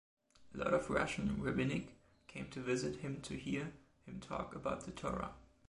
A lot of Russian rabbinic came to visit him to hear him talk about the Torah.